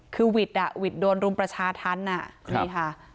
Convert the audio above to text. คือวิตอ่ะวิตโดนรุมประชาธรรมนี้ค่ะ